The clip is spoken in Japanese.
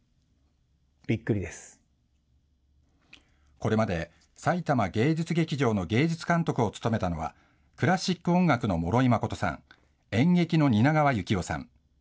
これまで、さいたま芸術劇場の芸術監督を務めたのは、クラシック音楽の諸井誠さん、演劇の蜷川幸雄さん。